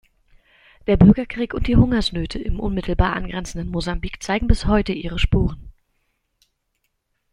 Der Bürgerkrieg und die Hungersnöte im unmittelbar angrenzenden Mosambik zeigen bis heute ihre Spuren.